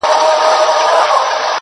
هم په اور هم په اوبو کي دي ساتمه!!